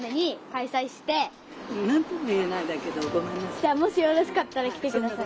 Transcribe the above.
じゃあもしよろしかったら来てください。